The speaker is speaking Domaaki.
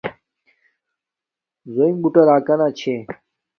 زڎنݣ بوٹے راکانا چھے